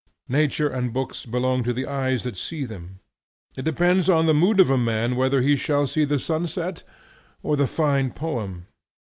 Nature and books belong to the eyes that see them. It depends on the mood of the man whether he shall see the sunset or the fine poem.